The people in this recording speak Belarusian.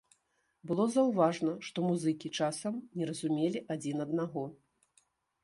Было заўважна, што музыкі часам не разумелі адзін аднаго.